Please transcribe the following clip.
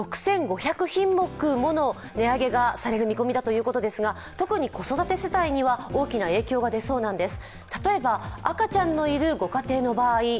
６５００品目もの値上げがされる見込みだということですが、特に子育て世帯には大きな影響が出そうなんです。